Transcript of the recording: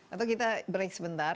atau kita break sebentar